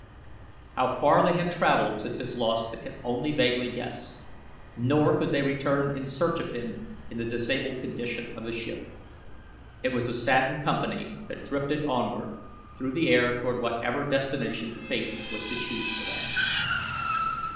How far they had traveled since his loss they could only vaguely guess, nor could they return in search of him in the disabled condition of the ship. It was a saddened company that drifted onward through the air toward whatever destination Fate was to choose for them.